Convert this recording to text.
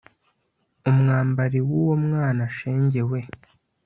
umwambali w'uwo mwana shenge we